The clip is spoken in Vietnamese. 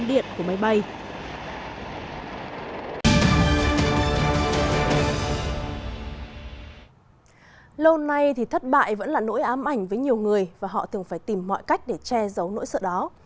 lâu nay thì thất bại vẫn là nỗi ám ảnh với nhiều người và họ thường phải tìm mọi cách để che giấu nỗi sợ đó